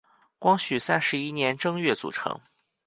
光绪三十一年正月组成。